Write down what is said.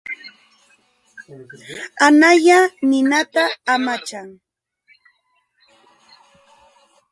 Analla ninata amachan.